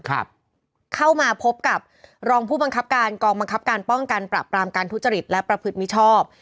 เข้ามาพบกับรองผู้บังคับการกองบังคับการป้องกันปรับปรามการทุจริตและประพฤติมิชชอบ